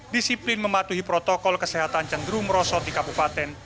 disiplin mematuhi protokol kesehatan cenderung merosot di kabupaten